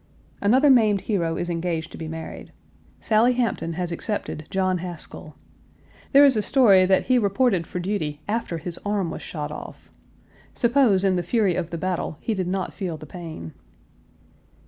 Another maimed hero is engaged to be married. Sally Hampton has accepted John Haskell. There is a story that he reported for duty after his arm was shot off; suppose in the fury of the battle he did not feel the pain.